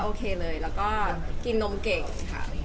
โอเคเลยแล้วก็กินนมเก่งค่ะ